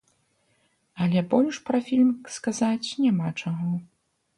Але больш пра фільм сказаць няма чаго.